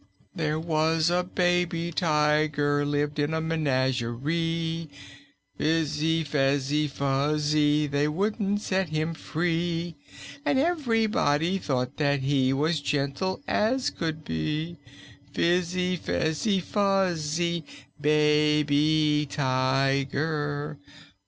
There was a Baby Tiger lived in a men ag er ie Fizzy fezzy fuzzy they wouldn't set him free; And ev'rybody thought that he was gentle as could be Fizzy fezzy fuzzy Ba by Ti ger!